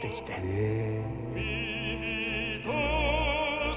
へえ。